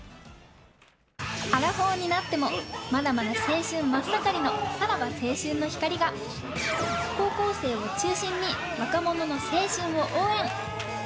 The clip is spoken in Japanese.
アラフォーになってもまだまだ青春真っ盛りのさらば青春の光が高校生を中心に若者の青春を応援。